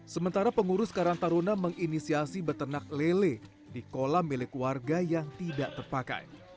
sementara pengurus karantaruna menginisiasi betenak lele di kolam milik warga yang tidak terpakai